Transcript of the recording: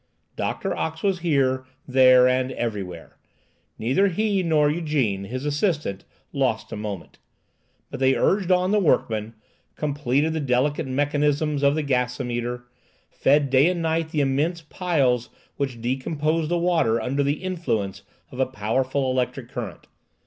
Doctor Ox was here, there, and everywhere; neither he nor Ygène, his assistant, lost a moment, but they urged on the workmen, completed the delicate mechanism of the gasometer, fed day and night the immense piles which decomposed the water under the influence of a powerful electric current.